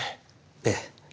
ええ。